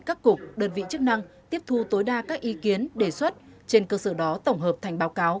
các cục đơn vị chức năng tiếp thu tối đa các ý kiến đề xuất trên cơ sở đó tổng hợp thành báo cáo